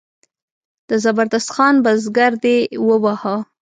د زبردست خان بزګر دی وواهه.